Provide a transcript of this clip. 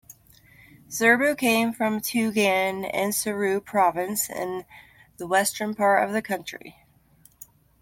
Zerbo came from Tougan in Sourou Province in the western part of the country.